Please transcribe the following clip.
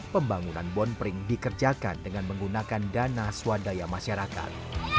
pembangunan bon pring dikerjakan dengan menggunakan dana swadaya masyarakat